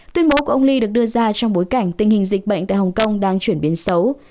tuyên bố của ông lee được đưa ra trong bối cảnh tình hình dịch bệnh tại hồng kông đang chuyển biến xấu